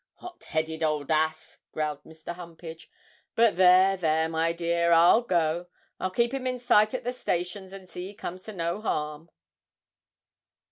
'Hot headed old ass!' growled Mr. Humpage; 'but there, there, my dear, I'll go. I'll keep him in sight at the stations, and see he comes to no harm.'